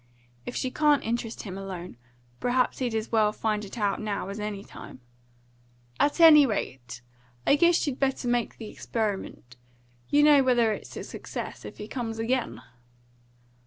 If she can't interest him alone, perhaps he'd as well find it out now as any time. At any rate, I guess you'd better make the experiment. You'll know whether it's a success if he comes again."